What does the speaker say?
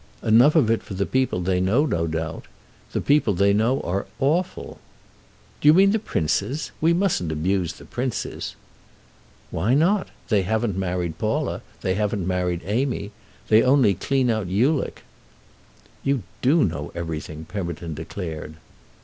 "Enough of it for the people they know, no doubt. The people they know are awful." "Do you mean the princes? We mustn't abuse the princes." "Why not? They haven't married Paula—they haven't married Amy. They only clean out Ulick." "You do know everything!" Pemberton declared.